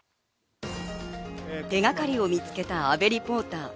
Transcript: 手掛かりを見つけた阿部リポーター。